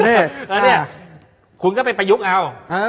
แล้วเนี่ยคุณก็ไปประยุกต์เอา